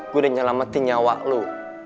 gue udah nyelametin nyawa lo